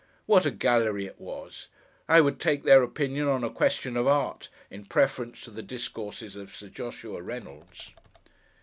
What a gallery it was! I would take their opinion on a question of art, in preference to the discourses of Sir Joshua Reynolds.